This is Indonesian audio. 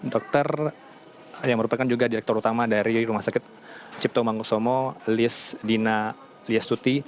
dokter yang merupakan juga direktur utama dari rumah sakit cipto mangkusomo lis dina liestuti